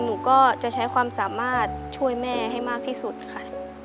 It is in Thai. หนูก็จะใช้ความสามารถช่วยแม่ให้มากที่สุดค่ะ